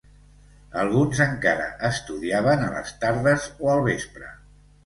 Alguns encara estudiaven a les tardes o al vespre.